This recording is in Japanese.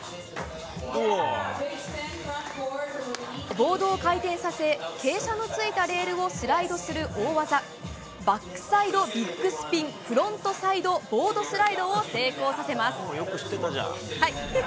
ボードを回転させ傾斜のついたレールをスライドする大技バックサイドビッグスピンフロントサイドボードスライドを成功させます。